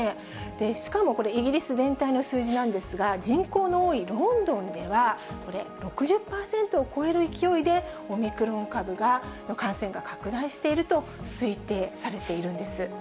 しかも、これ、イギリス全体の数字なんですが、人口の多いロンドンでは、これ、６０％を超える勢いで、オミクロン株の感染が拡大していると推定されているんです。